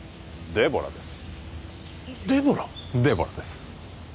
デボラです